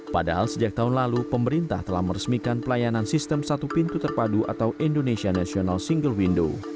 padahal sejak tahun lalu pemerintah telah meresmikan pelayanan sistem satu pintu terpadu atau indonesia national single window